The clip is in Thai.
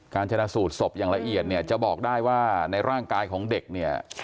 ชนะสูตรศพอย่างละเอียดเนี่ยจะบอกได้ว่าในร่างกายของเด็กเนี่ย